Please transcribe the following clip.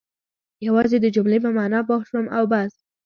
یوازې د جملې په معنا پوه شوم او بس.